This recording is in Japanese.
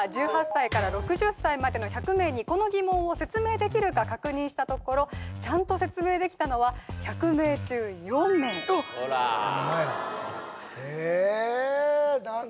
１８歳から６０歳までの１００名にこの疑問を説明できるか確認したところちゃんと説明できたのは１００名中４名ほらええ